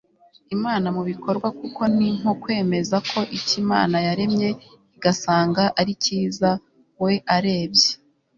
imana mu bikorwa kuko ni nko kwemeza ko icyo imana yaremye igasanga ari cyiza, we arebye